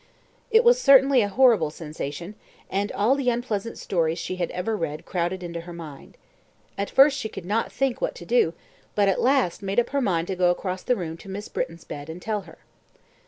It was certainly a horrible sensation, and all the unpleasant stories she had ever read crowded into her mind. At first she could not think what to do, but at last made up her mind to go across the room to Miss Britton's bed and tell her.